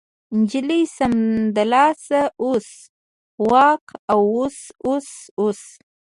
نجلۍ ستمېدله اوس وکه اوس اوس اوس.